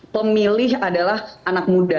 pemilih adalah anak muda